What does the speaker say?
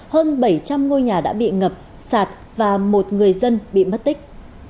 hơn bảy trăm linh ngôi nhà đã bị ngập sạt và một người dân bị mất tích